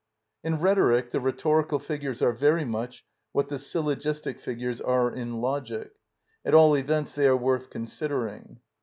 In Rhetoric the rhetorical figures are very much what the syllogistic figures are in Logic; at all events they are worth considering.